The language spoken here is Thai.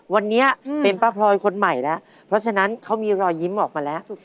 วันนี้เป็นป้าพลอยคนใหม่แล้วเพราะฉะนั้นเขามีรอยยิ้มออกมาแล้ว